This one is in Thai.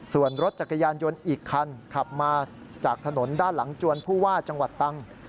ส่วนรถจักรยานยนต์อีกคันขับมาจากถนนด้านหลังจวนผู้ว่าจังหวัดตรัง